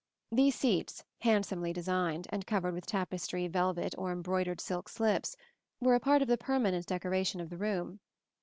These seats, handsomely designed, and covered with tapestry, velvet, or embroidered silk slips, were a part of the permanent decoration of the room.